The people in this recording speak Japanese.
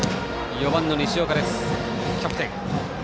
４番の西岡、キャプテン。